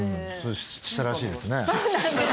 し、し、したらしいですね。